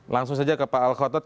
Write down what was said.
langsung saja ke pak al khotot